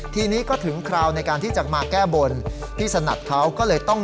ทีนี้ก็ถึงคราวในการที่จะมาแก้บนพี่สนัดเขาก็เลยต้อง